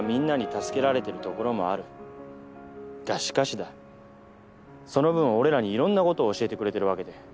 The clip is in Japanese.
がしかしだその分俺らにいろんな事を教えてくれてるわけで。